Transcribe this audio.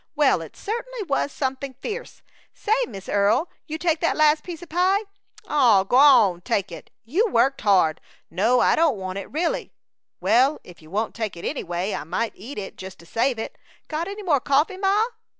Well, it certainly was something fierce Say, Miss Earle, you take that last piece o' pie. Oh, g'wan! Take it! You worked hard. No, I don't want it, really! Well, if you won't take it anyway, I might eat it just to save it. Got any more coffee, Ma?"